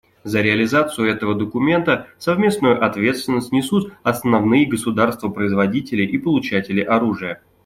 За реализацию этого документа совместную ответственность несут основные государства-производители и получатели оружия.